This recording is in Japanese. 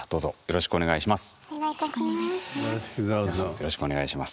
よろしくお願いします。